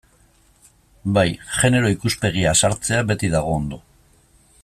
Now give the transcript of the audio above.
Bai, genero ikuspegia sartzea beti dago ondo.